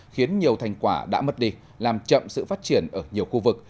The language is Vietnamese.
khiến nhiều thành quả đã mất đi làm chậm sự phát triển ở nhiều khu vực